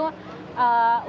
untuk mencari alat berat